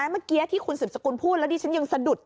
เมื่อกี้ที่คุณสืบสกุลพูดแล้วดิฉันยังสะดุด